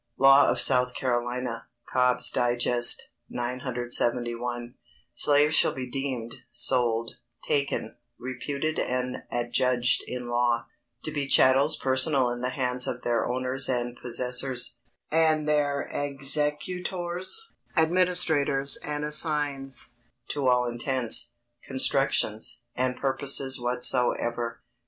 _ [Sidenote: Law of S. Carolina. Cobb's Digest, 971.] Slaves shall be deemed, sold, taken, reputed and adjudged in law, to be chattels personal in the hands of their owners and possessors, and their executors, administrators, and assigns, to all intents, constructions, and purposes whatsoever.